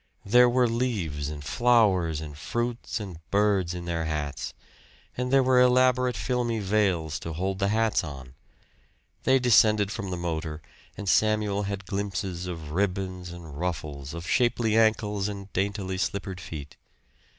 There were leaves and flowers and fruits and birds in their hats; and there were elaborate filmy veils to hold the hats on. They descended from the motor, and Samuel had glimpses of ribbons and ruffles, of shapely ankles and daintily slippered feet.